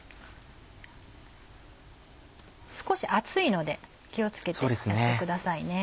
少し熱いので気を付けてやってくださいね。